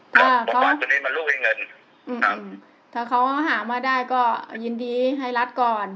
ถ้าเขามันลูกไอ้เงินครับถ้าเขาหามาได้ก็ยินดีให้รัฐก่อน